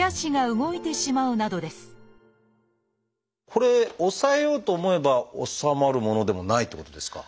これ抑えようと思えば治まるものでもないってことですか？